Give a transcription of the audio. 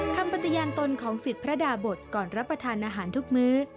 ปฏิญาณตนของสิทธิ์พระดาบทก่อนรับประทานอาหารทุกมื้อ